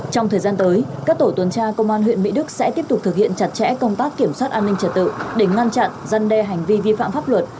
trong thời gian tới các tổ tuần tra công an huyện mỹ đức sẽ tiếp tục thực hiện chặt chẽ công tác kiểm soát an ninh trật tự để ngăn chặn dân đe hành vi vi phạm pháp luật